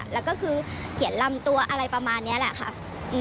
แล้วก็คือเขียนลำตัวอะไรประมาณนี้แหละค่ะ